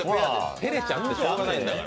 照れちゃって、しょうがないんだから。